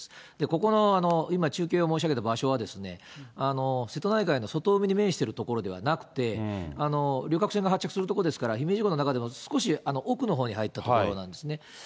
ここの今、中継を申し上げた場所は、瀬戸内海の外海に面している所ではなくて、旅客船が発着する所ですから、姫路港の中でも少し奥のほうに入った所なんですね。